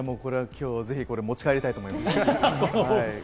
今日ぜひ、これ持ち帰りたいと思います。